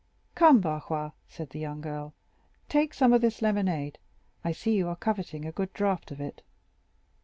"Come, Barrois," said the young girl, "take some of this lemonade; I see you are coveting a good draught of it."